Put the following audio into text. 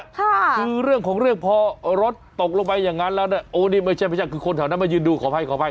ค่ะคือเรื่องของเรื่องพอรถตกลงไปอย่างงั้นแล้วเนี้ยโอ้นี่ไม่ใช่เพราะฉะนั้นคือคนแถวนั้นมายืนดูขอไปขอไป